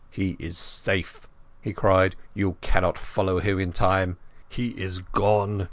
"He is safe," he cried. "You cannot follow in time.... He is gone....